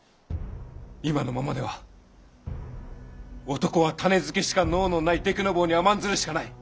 今のままでは男は種付けしか能のないでくのぼうに甘んずるしかない。